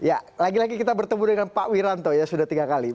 ya lagi lagi kita bertemu dengan pak wiranto ya sudah tiga kali